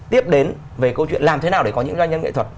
tiếp đến về câu chuyện làm thế nào để có những doanh nhân nghệ thuật